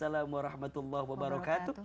waalaikumussalam warahmatullah wabarakatuh